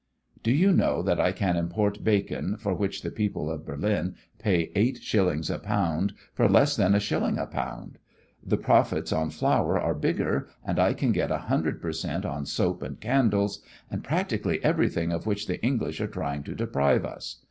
"Do you know that I can import bacon, for which the people of Berlin pay eight shillings a pound for less than a shilling a pound? The profits on flour are bigger, and I can get a hundred per cent on soap and candles, and practically everything of which the English are trying to deprive us.